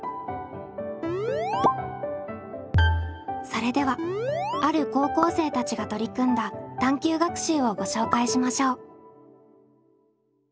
それではある高校生たちが取り組んだ探究学習をご紹介しましょう。